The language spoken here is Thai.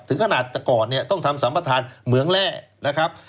ถึงขนาดแต่ก่อนเนี่ยต้องทำสัมประธานเหมืองแร่นะครับ